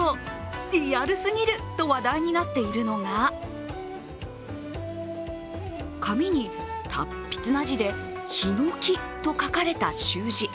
リアルすぎると話題になっているのが紙に達筆な字で「桧」と書かれた習字。